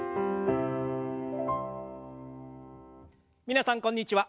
皆さんこんにちは。